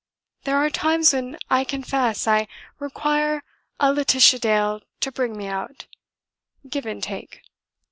There are times when, I confess, I require a Laetitia Dale to bring me out, give and take.